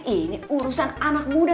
ini urusan anak muda